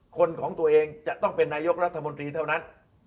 ของตัวเองจะต้องเป็นนายกรัฐมนตรีเท่านั้น